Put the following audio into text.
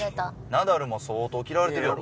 ナダルも相当嫌われてるやろ？